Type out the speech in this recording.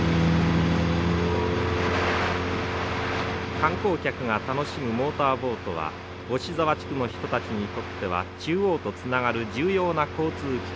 観光客が楽しむモーターボートは雄子沢地区の人たちにとっては中央とつながる重要な交通機関です。